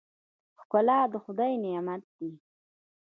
ښکلا د خدای نعمت دی.